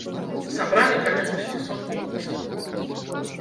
Сабралі каля шасцісот подпісаў.